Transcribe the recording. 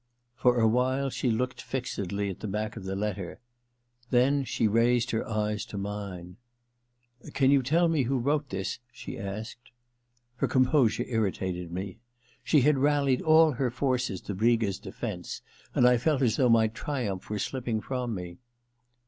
For a while she looked fixedly at the back of the letter ; then she raised her eyes to mine. * Can you tell me who wrote this ?' she asked. Her composure irritated me. She had rallied all her forces to Briga's defence, and I felt as though my triumph were slipping from me.